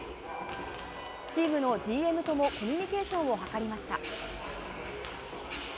チームのＧＭともコミュニケーションを図りました。